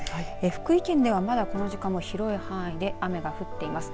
福井県ではまだこの時間も広い範囲で雨が降っています。